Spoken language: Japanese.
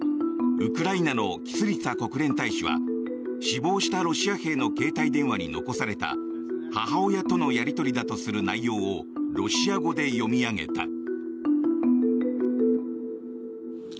ウクライナのキスリツァ国連大使は死亡したロシア兵の携帯電話に残された母親とのやり取りだとする内容をロシア語で読み上げた。